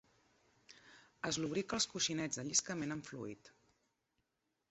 Es lubrica els coixinets de lliscament amb fluid.